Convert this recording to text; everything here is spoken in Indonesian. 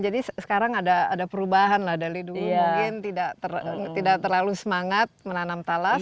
jadi sekarang ada perubahan lah dari dulu mungkin tidak terlalu semangat menanam tales